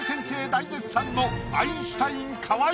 大絶賛のアインシュタイン河井。